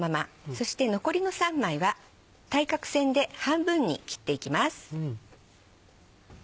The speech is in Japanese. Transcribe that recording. そして残りの３枚は対角線で半分に切っていきます。